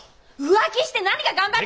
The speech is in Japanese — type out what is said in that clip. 浮気して何が頑張って。